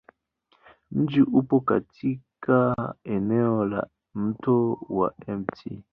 Mji upo katika eneo la Mto wa Mt.